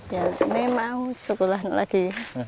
ya ini mau sekolah lagi